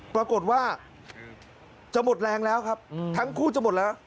ปรากฏว่าจะหมดแรงแล้วครับทั้งคู่จะหมดแล้ว